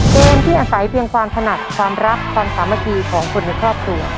เกมที่อาศัยเพียงความถนัดความรักความสามัคคีของคนในครอบครัว